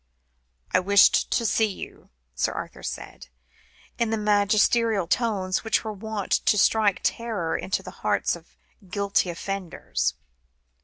"I wished to see you," Sir Arthur said, in the magisterial tones which were wont to strike terror into the hearts of guilty offenders.